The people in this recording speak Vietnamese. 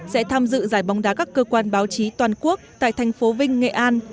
sẽ tham dự giải bóng đá các cơ quan báo chí toàn quốc tại thành phố vinh nghệ an